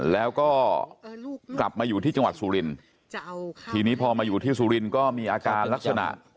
แล้วก็กลับมาอยู่ที่จังหวัดสุรินทร์ทีนี้พอมาอยู่ที่สุรินทร์ก็มีอาการลักษณะ